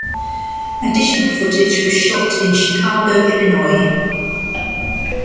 Additional footage was shot in Chicago, Illinois.